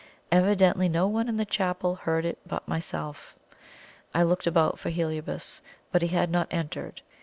Evidently no one in the chapel heard it but myself. I looked about for Heliobas, but he had not entered.